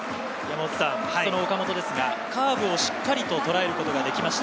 その岡本ですが、カーブをしっかりと捉えることができました。